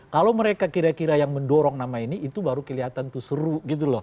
kalau mereka kira kira yang mendorong nama ini itu baru kelihatan tuh seru gitu loh